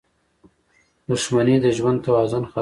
• دښمني د ژوند توازن خرابوي.